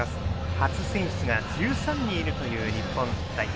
初選出が１３人いるという日本代表